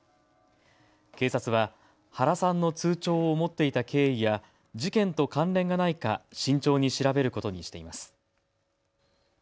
警察は原さんの通帳を持っていた経緯や事件と関連がないか慎重に調べることにしています。